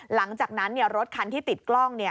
หลังจากนั้นรถคันที่ติดกล้อง